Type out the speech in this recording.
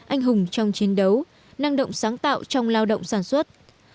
anh hùng trong chiến đấu năng động sáng tạo trong lao động sản xuất